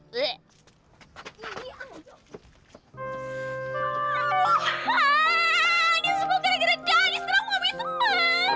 nih semua gara gara dah diserang mau gue sempat